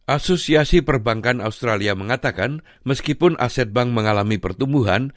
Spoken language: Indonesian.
asosiasi perbankan australia mengatakan meskipun aset bank mengalami pertumbuhan